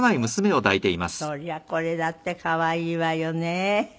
そりゃこれだって可愛いわよね。